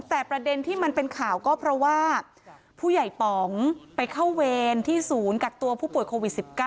แต่ประเด็นที่มันเป็นข่าวก็เพราะว่าผู้ใหญ่ป๋องไปเข้าเวรที่ศูนย์กักตัวผู้ป่วยโควิด๑๙